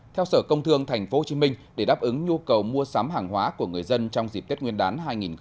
theo sở công thương tp hcm để đáp ứng nhu cầu mua sắm hàng hóa của người dân trong dịp tết nguyên đán hai nghìn hai mươi